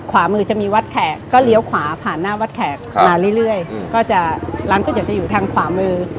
ขวามือจะมีวัดแขกก็เลี้ยวขวาผ่านหน้าวัดแขกมาเรื่อยก็จะร้านก๋วยเตี๋จะอยู่ทางขวามือ